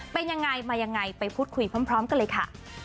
เป็นยังไงมายังไงไปพูดคุยพร้อมกันเลยค่ะ